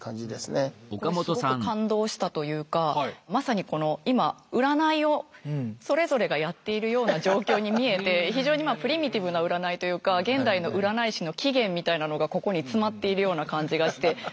これすごく感動したというかまさにこの今占いをそれぞれがやっているような状況に見えて非常にまあプリミティブな占いというか現代の占い師の起源みたいなのがここに詰まっているような感じがして。